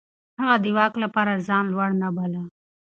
هغه د واک لپاره ځان لوړ نه باله.